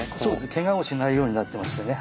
けがをしないようになってましてね。